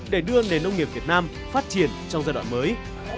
để đưa nền nông nghiệp việt nam phát triển trong giai đoạn mới